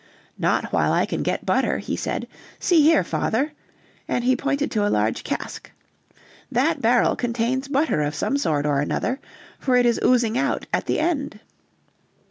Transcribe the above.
"Not while I can get butter," he said; "see here, father," and he pointed to a large cask, "that barrel contains butter of some sort or another, for it is oozing out at the end."